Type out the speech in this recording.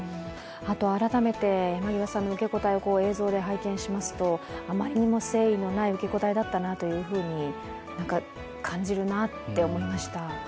あと改めて山際さんの受け答えを映像で拝見しますとあまりにも誠意のない受け答えだったなと感じるなと思いました。